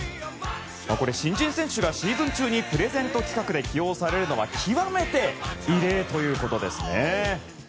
新人選手がシーズン中にプレゼント企画で起用されるのは極めて異例とのことですね。